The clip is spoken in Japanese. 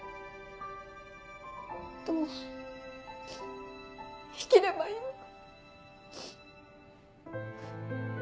どう生きればいいのか。